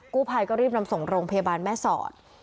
กู้ภัยก็รีบนำส่งโรงพยาบาลแม่สอด